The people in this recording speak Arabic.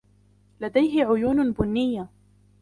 لديه عيون بنية.